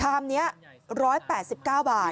นี้๑๘๙บาท